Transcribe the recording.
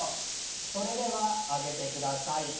それでは上げてください。